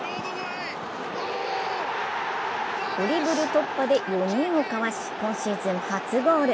ドリブル突破で４人をかわし、今シーズン初ゴール。